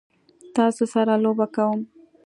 تاسو سره لوبه کوم؟